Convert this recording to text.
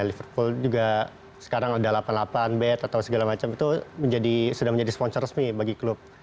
liverpool juga sekarang ada delapan puluh delapan bed atau segala macam itu sudah menjadi sponsor resmi bagi klub